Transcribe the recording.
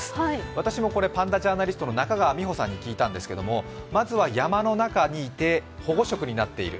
私もこれパンダジャーナリストの方に聞いたんですが、まずは山の中にいて保護色になっている。